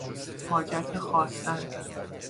حاجت خواستن